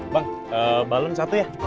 bang balon satu ya